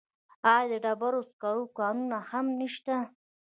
آیا د ډبرو سکرو کانونه هم نشته؟